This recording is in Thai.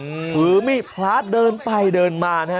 ถือมีดพระเดินไปเดินมานะฮะ